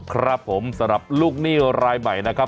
ครับผมสำหรับลูกหนี้รายใหม่นะครับ